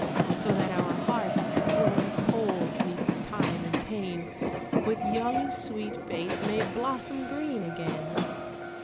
So that our hearts grown cold 'Neath time and pain, With young sweet faith may blossom Green again.